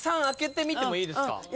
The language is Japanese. １３開けてみてもいいですか？